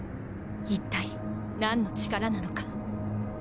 一体何の力なのか。